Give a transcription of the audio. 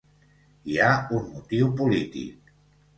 Hi ha un motiu polític.